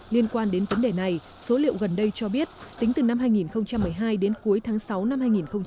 liên quan đến vấn đề này số liệu gần đây cho biết tính từ năm hai nghìn một mươi hai đến cuối tháng sáu năm hai nghìn một mươi tám